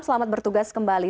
selamat bertugas kembali